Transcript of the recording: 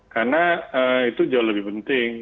karena itu jauh lebih penting